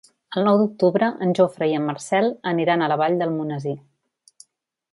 El nou d'octubre en Jofre i en Marcel aniran a la Vall d'Almonesir.